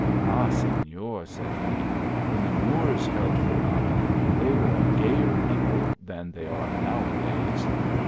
"Ah! Senor," said he, "when the Moors held Granada, they were a gayer people than they are uow a days.